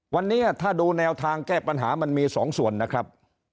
วันนี้ถ้าดูแนวทางแก้ปัญหามันมี๒ส่วนนะครับ